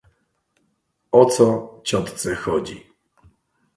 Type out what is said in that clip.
"O co ciotce chodzi?"